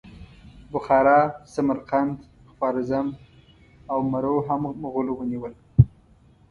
بخارا، سمرقند، خوارزم او مرو هم مغولو ونیول.